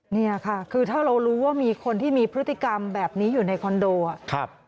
เนี่ยค่ะคือถ้าเรารู้ว่ามีคนที่มีพฤติกรรมแบบนี้อยู่ในคอนโดอ่ะ